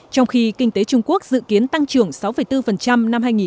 trong khi kinh tế trung quốc dự kiến tăng trưởng sáu bốn năm hai nghìn một mươi bảy